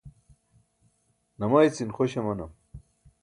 namaycin xoś amanam